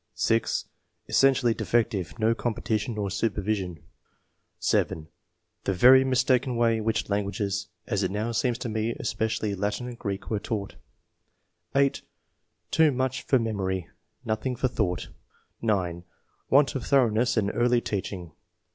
(6) " Essentially defective ; no competition nor supervision }} (7) "The very mistaken way in which lan guages, as it now seems to me, especially Latin and Greek, were taught." 252 ENGLISH MEN OF SCIENCE. [chap. (8) "Too much for memory; nothing for thought/' (9) "Want of thoroughness in early teaching."